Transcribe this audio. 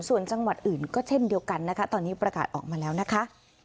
ส่วนจังหวัดอื่นก็เช่นเดียวกันนะคะตอนนี้ประกาศออกมาแล้วนะคะ